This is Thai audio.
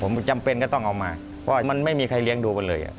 ผมจำเป็นก็ต้องเอามาเพราะมันไม่มีใครเลี้ยงดูกันเลย